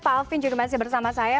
pak alvin juga masih bersama saya